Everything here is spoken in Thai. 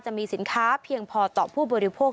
จะมีสินค้าเพียงพอต่อผู้บริโภค